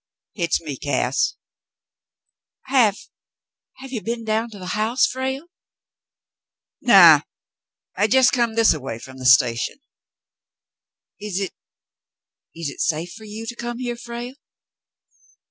"Hit's me, Cass." "Have — have you been down to the house, Frale ?" Frale Returns 155 "Naw, I jes' come this a way from the station." *'Is it — is it safe for you to come here, Frale